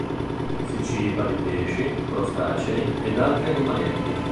Si ciba di pesci, crostacei ed altri animaletti.